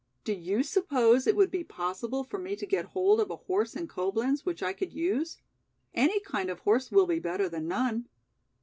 Do you suppose it would be possible for me to get hold of a horse in Coblenz which I could use? Any kind of horse will be better than none."